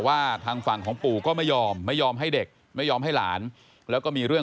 อย่าอย่าอย่าอย่าอย่าอย่าอย่าอย่าอย่าอย่าอย่าอย่าอย่าอย่า